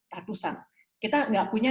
ratusan kita enggak punya